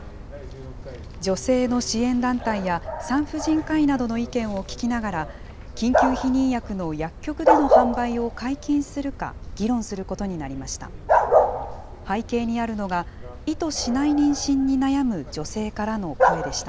女性の支援団体や産婦人科医などの意見を聞きながら、緊急避妊薬の薬局での販売を解禁するか、議論することになりました。